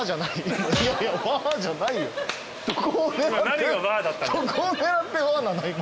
何が「わぁ」だったの？